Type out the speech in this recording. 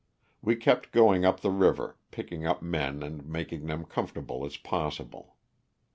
We kept going up the river, picking up men and making them comfortable as possible.